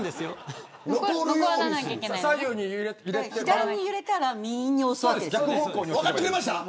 左に揺れたら右に押すわけね。